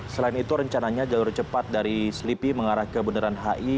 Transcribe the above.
selain itu rencananya jalur cepat dari selipi mengarah ke bundaran hi